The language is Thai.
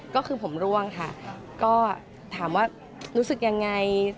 ก็คือผมร่วงค่ะก็ถามว่ารู้สึกยังไง